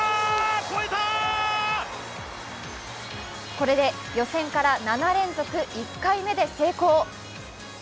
これで予選から７連続１回目で成功。